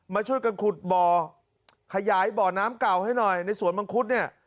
มาช่วยกันขุดบ่อขยายบ่อน้ำเก่าให้หน่อยในสวนมังคุดเนี่ย